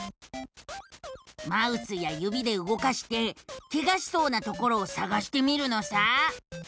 マウスやゆびでうごかしてケガしそうなところをさがしてみるのさ。